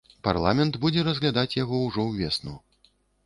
Парламент будзе разглядаць яго ўжо ўвесну.